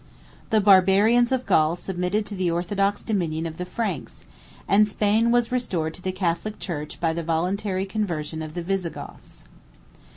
The Barbarians of Gaul submitted to the orthodox dominion of the Franks; and Spain was restored to the Catholic church by the voluntary conversion of the Visigoths.